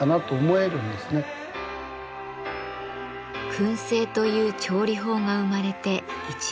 燻製という調理法が生まれて１万年以上。